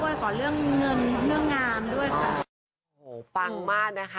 ขอบุญกับขอเรื่องเงินเงินงานด้วยค่ะโอ้โหปังมากนะคะ